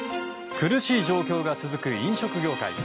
苦しい状況が続く飲食業界。